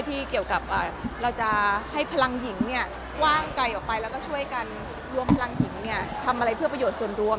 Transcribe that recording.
ที่เกี่ยวกับเราจะให้พลังหญิงกว้างไกลออกไปแล้วก็ช่วยกันรวมพลังหญิงทำอะไรเพื่อประโยชน์ส่วนรวม